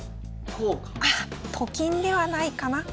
あっと金ではないかな。